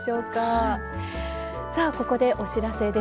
さあここでお知らせです。